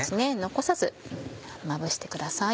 残さずまぶしてください。